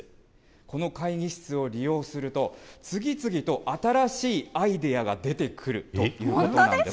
この会議室を利用すると次々と新しいアイデアが出てくるということなんです。